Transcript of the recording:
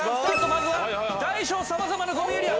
まずは大小様々なゴミエリア。